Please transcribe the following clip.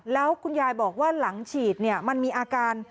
แล้วคุณยายบอกว่าหลังฉีดมันมีอาการ